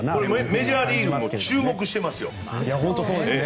メジャーリーグも注目していますよ。